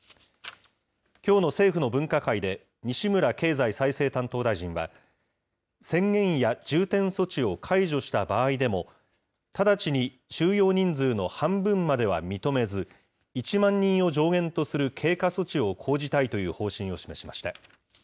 きょうの政府の分科会で西村経済再生担当大臣は、宣言や重点措置を解除した場合でも、直ちに収容人数の半分までは認めず、１万人を上限とする経過措置を講じたいという方針を示しました。